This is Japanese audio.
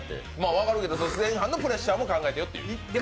分かるけど、前半のプレッシャーも考えてよっていう。